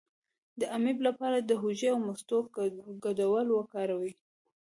د امیب لپاره د هوږې او مستو ګډول وکاروئ